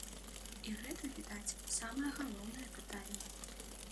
І гэта, відаць, самае галоўнае пытанне.